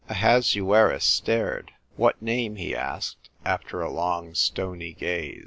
Ahasuerus stared. " What name ?" he asked, after a long stony gaze.